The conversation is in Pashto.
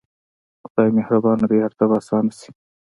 خداى مهربان دى هر څه به اسانه سي.